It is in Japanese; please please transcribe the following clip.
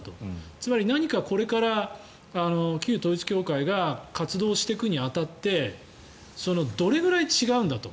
つまり何かこれから旧統一教会が活動していくに当たってどれくらい違うんだと。